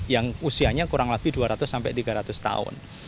yang usianya kurang lebih dua ratus sampai tiga ratus tahun